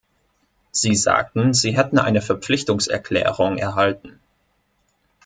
Sie sagten, sie hätten eine Verpflichtungserklärung erhalten.